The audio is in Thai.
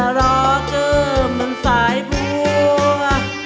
จะรอเกิ้มเหมือนสายพัว